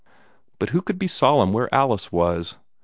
But who could be solemn where Alice was?